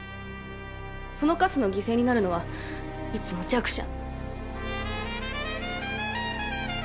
そのカスの犠牲になるのはいつも弱者。